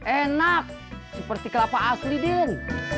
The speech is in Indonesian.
enak seperti kelapa asli den